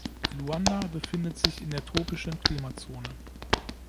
Luanda befindet sich in der tropischen Klimazone.